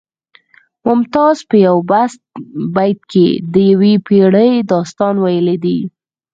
ممتاز په یو بیت کې د یوې پیړۍ داستان ویلی دی